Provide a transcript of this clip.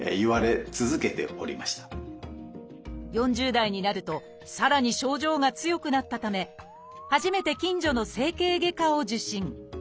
４０代になるとさらに症状が強くなったため初めて近所の整形外科を受診。